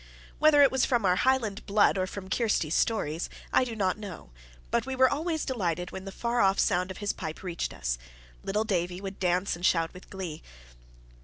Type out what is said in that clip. Whether it was from our Highland blood or from Kirsty's stories, I do not know, but we were always delighted when the far off sound of his pipes reached us: little Davie would dance and shout with glee.